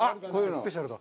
スペシャルだ。